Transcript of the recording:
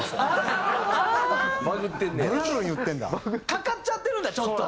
かかっちゃってるんだちょっと。